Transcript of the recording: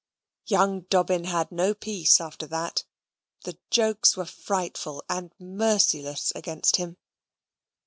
Young Dobbin had no peace after that. The jokes were frightful, and merciless against him.